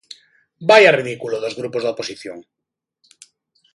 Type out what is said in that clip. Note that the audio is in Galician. ¡Vaia ridículo dos grupos da oposición!